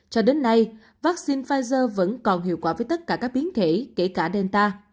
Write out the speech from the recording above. cho đến nay vaccine pfizer vẫn còn hiệu quả với tất cả các biến thể kể cả delta